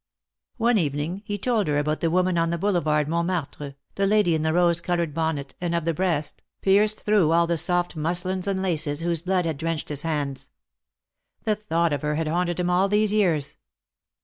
One evening he told her about the woman on the boulevard Montmar tre, the lady in the rose colored bonnet, and of the breast, pierced through all the soft muslins and laces, whose blood had drenched his hands. The thought of her had haunted him all these years.